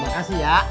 terima kasih ya